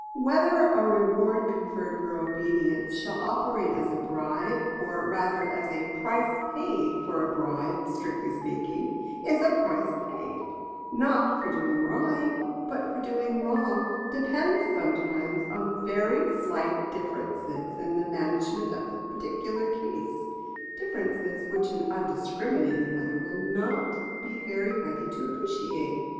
Whether a reward conferred for obedience shall operate as a bribe, or rather as a price paid for a bribe, strictly speaking, is a price paid, not for doing right, but for doing wrong depends sometimes on very slight differences in the management of the particular case differences which an undiscriminating mother will not be very ready to appreciate.